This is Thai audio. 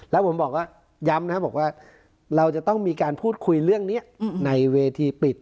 แล้วผมบอกว่าย้ำนะบอกว่าเราจะต้องมีการพูดคุยเรื่องนี้ในเวทีปิด